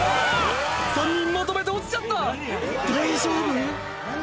３人まとめて落ちちゃった大丈夫？